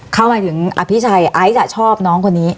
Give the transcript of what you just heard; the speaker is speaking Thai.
เข้ามาถึงอภิชัยไอซ์ชอบน้องคนนี้